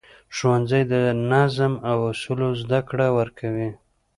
ښوونځی د نظم او اصولو زده کړه ورکوي